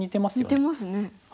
似てますね。